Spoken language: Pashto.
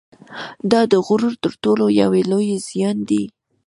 دا د غرور تر ټولو یو لوی زیان دی